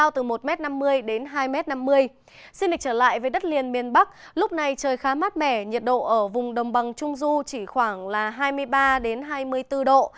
xin lịch trở lại với đất liền miền bắc lúc này trời khá mát mẻ nhiệt độ ở vùng đồng bằng trung du chỉ khoảng là hai mươi ba hai mươi bốn độ